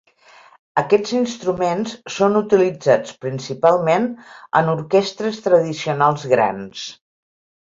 Aquests instruments són utilitzats principalment en orquestres tradicionals grans.